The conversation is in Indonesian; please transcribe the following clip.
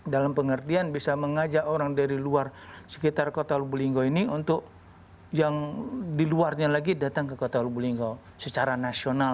di sekitar kota wulinggo ini untuk yang diluarnya lagi datang ke kota wulinggo secara nasional